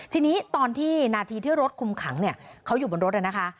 ทีนี้ตอนที่นาทีที่รถคุมขังเขาอยู่บนรถนะคะ